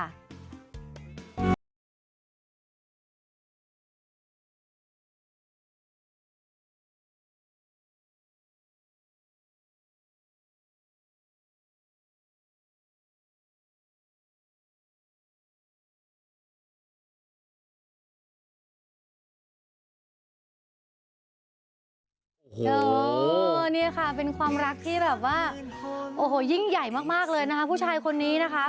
นี่ค่ะเป็นความรักที่แบบว่าโอ้โหยิ่งใหญ่มากเลยนะคะผู้ชายคนนี้นะคะ